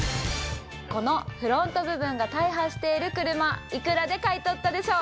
このフロント部分が大破している車いくらで買い取ったでしょう？